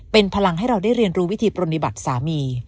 เป็นพลังให้เราได้เรียนรู้วิธีปรณิบัติสามี